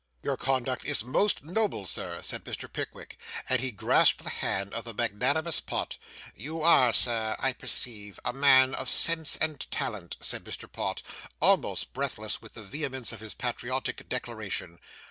Your conduct is most noble, Sir,' said Mr. Pickwick; and he grasped the hand of the magnanimous Pott. 'You are, sir, I perceive, a man of sense and talent,' said Mr. Pott, almost breathless with the vehemence of his patriotic declaration.